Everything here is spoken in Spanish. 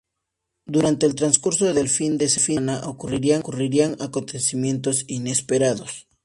Durante el transcurso del fin de semana ocurrirán acontecimientos inesperados.